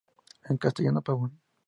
En castellano "pavόn".